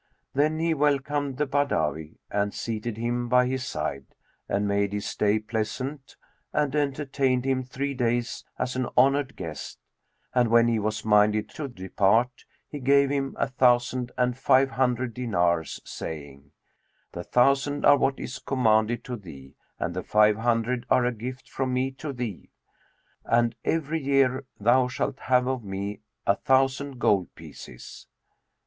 Then he welcomed the Badawi and seated him by his side and made his stay pleasant and entertained him three days as an honoured guest; and when he was minded to depart he gave him a thousand and five hundred dinars, saying, "The thousand are what is commanded to thee, and the five hundred are a gift from me to thee; and every year thou shalt have of me a thousand gold pieces."